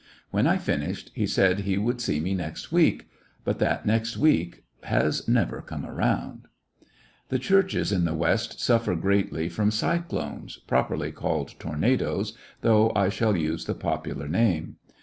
When I finished he said he would see me next week— but that next week has never come around. 64 came Missionary in iQe Great West The churches in the West suffer greatly from cyclones^ properly called tornadoes^ though I shall use the popular name.